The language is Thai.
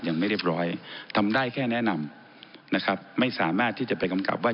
ยังไม่เรียบร้อยทำได้แค่แนะนำนะครับไม่สามารถที่จะไปกำกับว่า